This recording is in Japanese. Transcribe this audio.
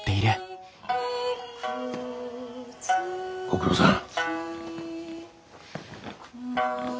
ご苦労さん。